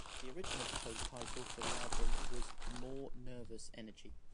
The original proposed title for the album was "More Nervous Energy".